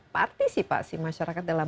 partisipasi masyarakat dalam